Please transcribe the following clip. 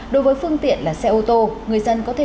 đối với phương tiện là xe ô tô